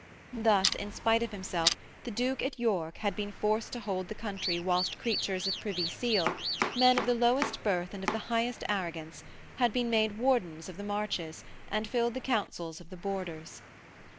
Thus, in spite of himself the Duke at York had been forced to hold the country whilst creatures of Privy Seal, men of the lowest birth and of the highest arrogance, had been made Wardens of the Marches and filled the Councils of the Borders.